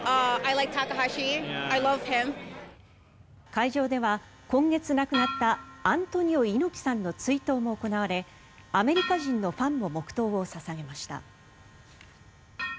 会場では今月亡くなったアントニオ猪木さんの追悼も行われアメリカ人のファンも黙祷を捧げました。